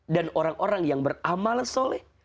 dan orang orang yang beramal soleh